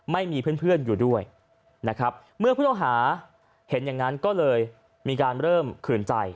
ไม่มีเพื่อนอยู่ด้วยนะครับเมื่อผู้ต้องหาเห็นอย่างนั้นก็เลยมีการเริ่มขืนใจ